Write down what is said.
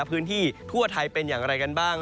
พื้นที่ทั่วไทยเป็นอย่างไรกันบ้าง